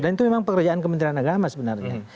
dan itu memang pekerjaan kementerian agama sebenarnya